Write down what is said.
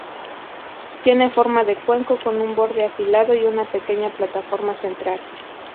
Tiene forma de cuenco, con un borde afilado y una pequeña plataforma central.